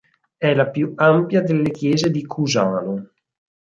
È la più ampia delle chiese di Cusano.